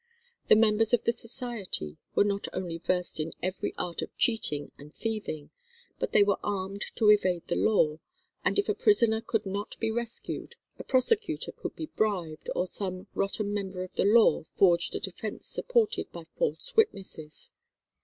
The members of the society were not only versed in every art of cheating and thieving, but they were armed to evade the law, and if a prisoner could not be rescued, a prosecutor could be bribed, or some "rotten member of the law" forged a defence supported by false witnesses.